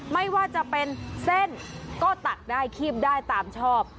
ไม่ว่าจะเป็นเส้นก็ตักได้คีบได้ตามชอบ